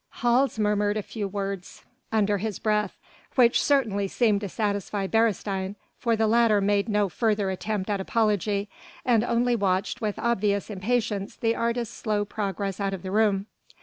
Hals murmured a few words under his breath which certainly seemed to satisfy Beresteyn for the latter made no further attempt at apology, and only watched with obvious impatience the artist's slow progress out of the room.